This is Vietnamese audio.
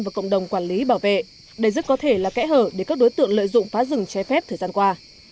và cộng đồng quản lý bảo vệ đây rất có thể là kẽ hở để các đối tượng lợi dụng phá rừng trái phép thời gian qua